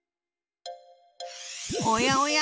おやおや？